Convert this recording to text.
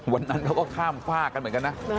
วันนั้นเขาก็ข้ามฝากกันเหมือนกันนะ